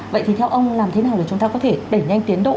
vậy thì theo ông làm thế nào để chúng ta có thể đẩy nhanh tiến độ